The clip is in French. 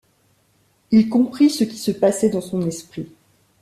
Il comprit ce qui se passait dans son esprit.